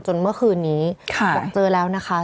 จนเมื่อคืนนี้เค้าเจอแล้วนะคะ